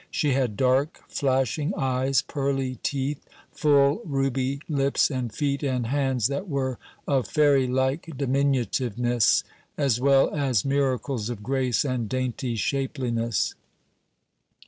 She had dark, flashing eyes, pearly teeth, full ruby lips and feet and hands that were of fairylike diminutiveness, as well as miracles of grace and dainty shapeliness.